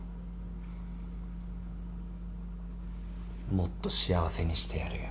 もっと幸せにしてやるよ。